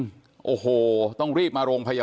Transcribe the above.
แม่โชคดีนะไม่ถึงตายนะ